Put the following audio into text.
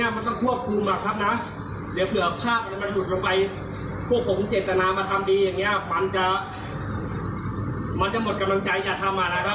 ว้าวมันไม่ได้เจอแค่นี้หรอ